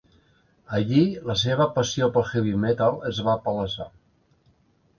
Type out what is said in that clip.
Allí la seva passió pel heavy metal es va palesar.